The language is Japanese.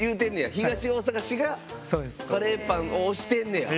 東大阪市がカレーパンを推してんねや！